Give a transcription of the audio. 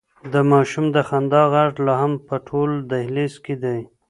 د ماشوم د خندا غږ لا هم په ټول دهلېز کې دی.